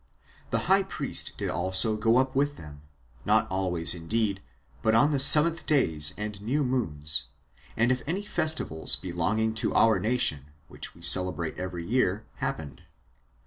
The high priest did also go up with them; not always indeed, but on the seventh days and new moons, and if any festivals belonging to our nation, which we celebrate every year, happened.